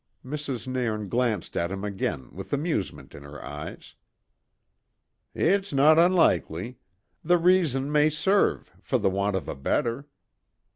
Mrs. Nairn glanced at him again with amusement in her eyes. "It's no unlikely. The reason may serve for the want of a better."